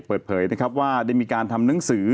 เปิดเผยนะครับว่าได้มีการทำหนังสือ